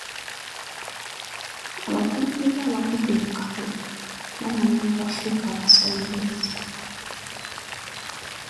Abakulembeze abagudde mu kalulu bamala ne bafuuka abasabirizi.